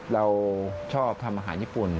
เราชอบทำอาหารญี่ปุ่น